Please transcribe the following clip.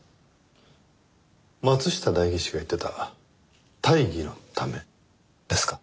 松下代議士が言ってた大義のためですか？